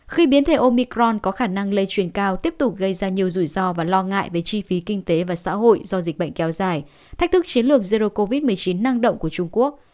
khi biến thể omicron có khả năng lây truyền cao tiếp tục gây ra nhiều rủi ro và lo ngại về chi phí kinh tế và xã hội do dịch bệnh kéo dài thách thức chiến lược zero covid một mươi chín năng động của trung quốc